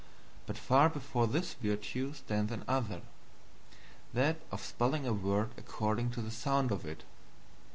But far before this virtue stands another that of spelling a word according to the sound of it.